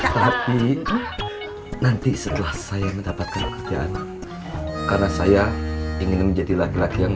tapi nanti setelah saya mendapatkan kerjaan karena saya ingin menjadi laki laki yang